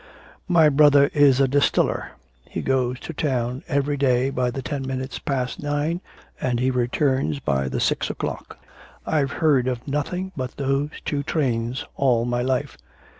My brother is a distiller. He goes to town every day by the ten minutes past nine and he returns by the six o'clock. I've heard of nothing but those two trains all my life.